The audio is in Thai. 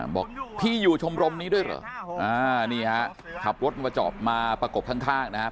บอกพี่อยู่ชมรมนี้ด้วยเหรอนี่ครับขับรถมาจอบมาประกบทางทางนะครับ